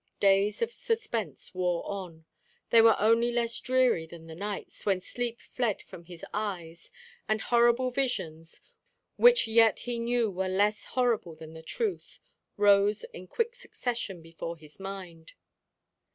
Days of suspense wore on. They were only less dreary than the nights, when sleep fled from his eyes, and horrible visions (which yet he knew were less horrible than the truth) rose in quick succession before his mind.